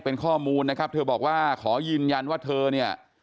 เป็นข้อมูลนะครับเธอบอกว่าขอยืนยันว่าเธอเนี่ย